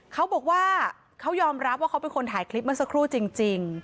เขาบอกว่าเขายอมรับว่าเขาเป็นคนถ่ายคลิปเมื่อสักครู่จริง